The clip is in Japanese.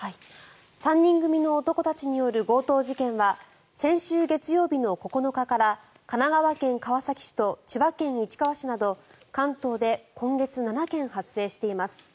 ３人組の男たちによる強盗事件は先週月曜日の９日から神奈川県川崎市と千葉県市川市など関東で今月７件発生しています。